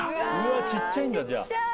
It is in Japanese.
ちっちゃいんだじゃあ。